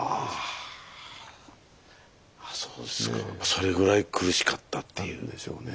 それぐらい苦しかったっていう。でしょうね。